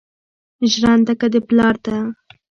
ژرنده که د پلار ده